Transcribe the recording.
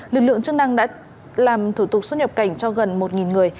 lực lượng chức năng đã làm thủ tục xuất nhập cảnh cho gần một người